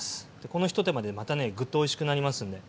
このひと手間でまたねグッとおいしくなりますんで。